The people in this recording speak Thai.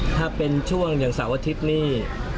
ถ้าเป็นช่วงอย่างเสาร์อาทิตย์นี่